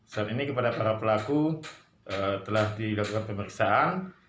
saat ini kepada para pelaku telah dilakukan pemeriksaan